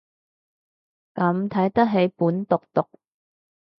咁睇得起本毒毒